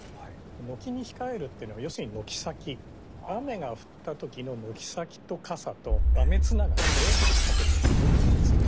軒にひかえるっていうのは要するに軒先雨が降った時の軒先と傘と雨つながりで掛けてる言葉なんですね。